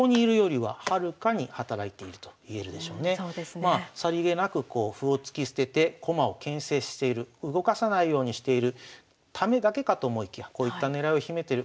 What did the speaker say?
まあさりげなく歩を突き捨てて駒をけん制している動かさないようにしているためだけかと思いきやこういった狙いを秘めてる。